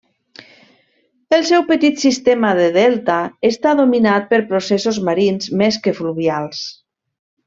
El seu petit sistema de delta està dominat per processos marins més que fluvials.